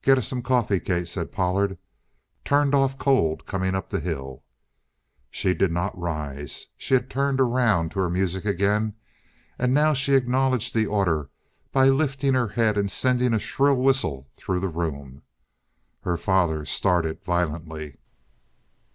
"Get us some coffee, Kate," said Pollard. "Turned off cold coming up the hill." She did not rise. She had turned around to her music again, and now she acknowledged the order by lifting her head and sending a shrill whistle through the room. Her father started violently.